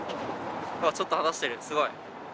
ちょっと離している、すごい！